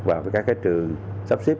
và các cái trường sắp xếp